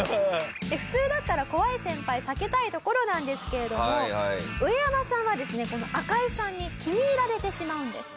普通だったら怖い先輩避けたいところなんですけれどもウエヤマさんはですねこの赤井さんに気に入られてしまうんです。